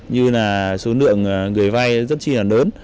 như là số lượng người vay rất chi là lớn